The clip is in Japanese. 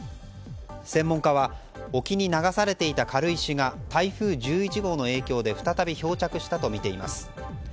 専門家は沖に流されていた軽石が台風１１号の影響で再び漂着したとみています。